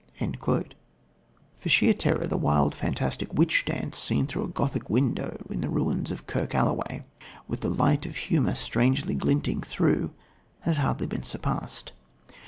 For sheer terror the wild, fantastic witch dance, seen through a Gothic window in the ruins of Kirk Alloway, with the light of humour strangely glinting through, has hardly been surpassed.